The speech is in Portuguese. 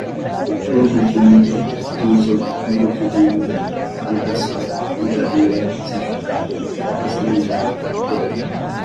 turbidímetro, freezer, condutivimetro, calibração, vidraria, certificado, fotoestabilidade, bureta